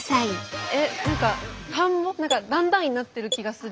えっ何か段々になってる気がする。